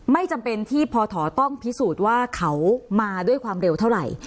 ไม่จำเป็นที่พอถอต้องพิสูจน์ว่าเขามาด้วยความเร็วเท่าไหร่